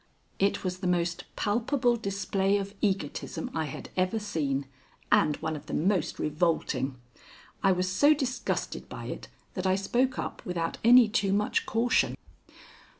It was the most palpable display of egotism I had ever seen and one of the most revolting. I was so disgusted by it that I spoke up without any too much caution.